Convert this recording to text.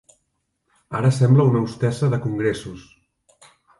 Ara sembla una hostessa de congressos.